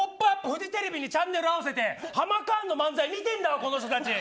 フジテレビにチャンネル合わせてハマカーンの漫才を見ているんだよ、この人たち。